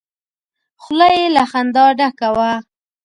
خوله يې له خندا ډکه وه!